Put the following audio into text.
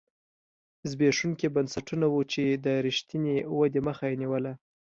زبېښونکي بنسټونه وو چې د رښتینې ودې مخه یې نیوله.